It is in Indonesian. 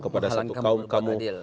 kepada satu kaum kamu